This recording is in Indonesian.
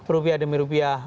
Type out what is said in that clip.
rupiah demi rupiah